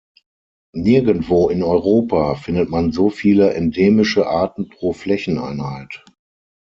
Nirgendwo in Europa findet man so viele endemische Arten pro Flächeneinheit.